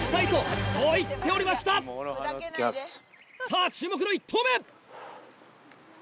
さぁ注目の１投目。